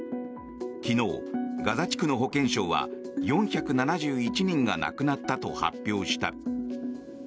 昨日、ガザ地区の保健省は４７１人が亡くなったと発表した。